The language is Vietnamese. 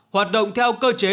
hoạt động theo cơ chế